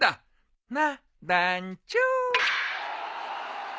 なっ団長。